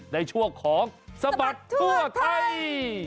ในช่วงของสบัดทั่วไทย